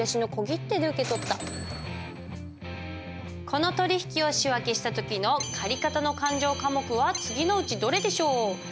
この取引を仕訳した時の借方の勘定科目は次のうちどれでしょう？